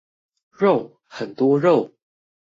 肉！很多肉！